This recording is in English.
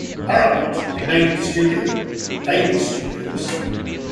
Paramount renamed the studio Famous Studios.